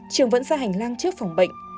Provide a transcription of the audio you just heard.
trường vẫn ra hành lang trước phòng bệnh